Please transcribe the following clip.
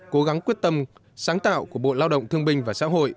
cố gắng quyết tâm sáng tạo của bộ lao động thương binh và xã hội